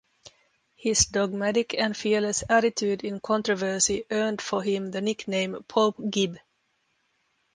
His dogmatic and fearless attitude in controversy earned for him the nickname Pope Gib.